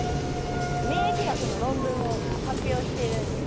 免疫学の論文を発表してるんです